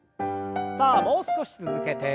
さあもう少し続けて。